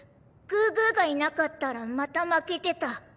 グーグーがいなかったらまた負けてた。